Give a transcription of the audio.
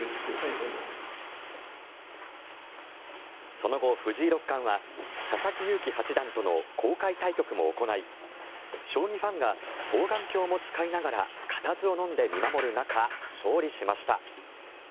その後、藤井六冠は佐々木勇気八段との公開対局も行い将棋ファンが双眼鏡も使いながらかたずをのんで見守る中勝利しました。